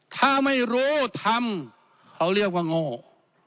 ถ้าไม่รู้ธรรมเขาเรียกว่างโงค์